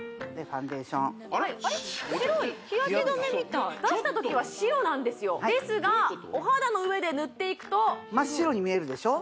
白い日焼け止めみたい出した時は白なんですよですがお肌の上で塗っていくと真っ白に見えるでしょ？